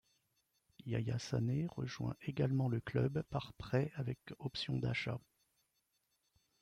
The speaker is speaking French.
Yaya Sané rejoint également le club par prêt avec option d'achat.